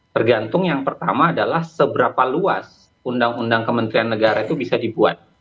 tergantung yang pertama adalah seberapa luas undang undang kementerian negara itu bisa dibuat